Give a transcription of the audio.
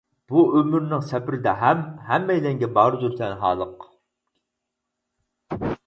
بۇ ئۆمۈرنىڭ سەپىرىدە ھەم، ھەممەيلەنگە باردۇر تەنھالىق.